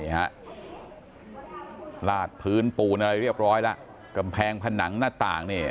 ลาดพื้นปูนอะไรเรียบร้อยแล้วกำแพงผนังหน้าต่างเนี่ย